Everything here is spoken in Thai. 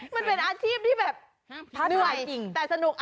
มันเป็นอาชีพที่แบบเหนื่อยจริงแต่สนุก